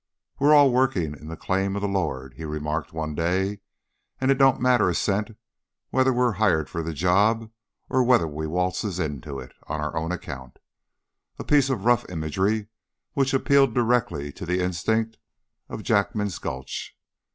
"We're all working in the claim of the Lord," he remarked one day, "and it don't matter a cent whether we're hired for the job or whether we waltzes in on our own account," a piece of rough imagery which appealed directly to the instincts of Jackman's Gulch.